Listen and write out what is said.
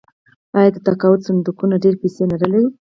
آیا د تقاعد صندوقونه ډیرې پیسې نلري؟